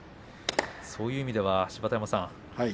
そういう意味では芝田山さん